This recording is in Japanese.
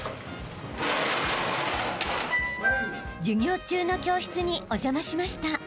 ［授業中の教室にお邪魔しました］